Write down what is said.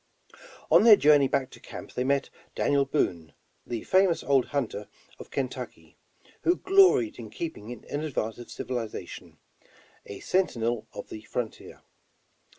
On their journey back to camp they met Daniel Boone, the famous old hunter of Kentucky, who gloried in keeping in advance of civilization, — a sentinel of the 174 Over the Rockies frontier.